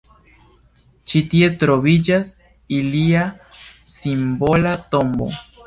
Ĉi tie troviĝas ilia simbola tombo.